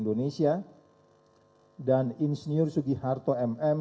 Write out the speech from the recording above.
dan ingeniur sugiharto mm